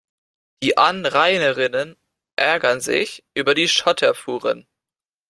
Die Anrainerinnen ärgern sich über die Schotterfuhren.